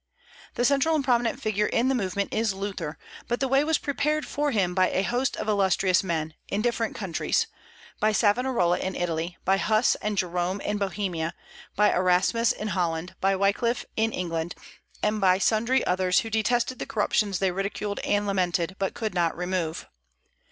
The central and prominent figure in the movement is Luther; but the way was prepared for him by a host of illustrious men, in different countries, by Savonarola in Italy, by Huss and Jerome in Bohemia, by Erasmus in Holland, by Wyclif in England, and by sundry others, who detested the corruptions they ridiculed and lamented, but could not remove.